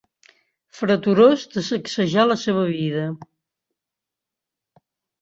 Freturós de sacsejar la seva vida.